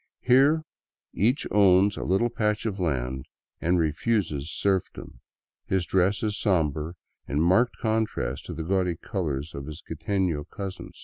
Here 'each owns a little patch of land and refuses serfdom. His dfessi§" somber, in marked contrast to the gaudy colors of his quiteTio cousin.